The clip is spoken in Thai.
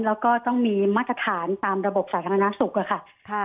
แล้วก็ต้องมีมาตรฐานตามระบบสาธารณสุขอะค่ะ